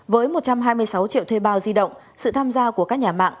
với một trăm hai mươi sáu triệu thuê bao di động sự tham gia của các nhà mạng